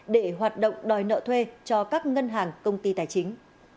để hoạt động đòi nợ thuê cho các ngân hàng công ty tài chính